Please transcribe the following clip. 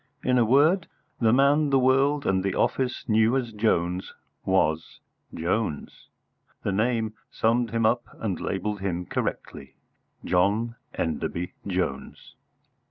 In a word, the man the world and the office knew as Jones was Jones. The name summed him up and labelled him correctly John Enderby Jones.